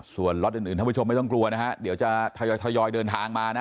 ส่วนล็อตอื่นท่านผู้ชมไม่ต้องกลัวนะฮะเดี๋ยวจะทยอยเดินทางมานะ